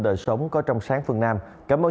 đời sống có trong sáng phương nam cảm ơn